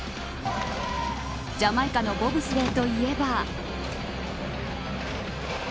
ジャマイカのボブスレーといえば。